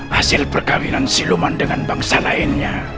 hasil perkawinan siluman dengan bangsa lainnya